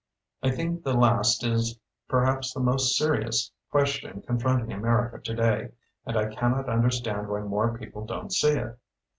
I think the last is perhaps the most serious ques tion confronting America today, and I cannot understand why more people don't see it.